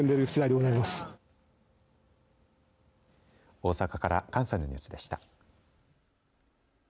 大阪から関西のニュースでした。